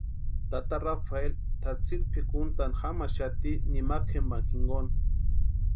Tata Rafeli tʼatsïni pʼikuntani jamaxati nimakwa jempani jinkoni.